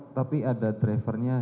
tapi ada drivernya